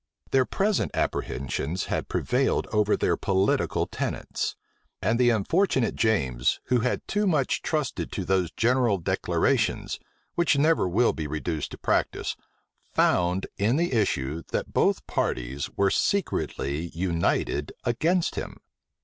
Their present apprehensions had prevailed over their political tenets; and the unfortunate James, who had too much trusted to those general declarations, which never will be reduced to practice, found, in the issue, that both parties were secretly united against him.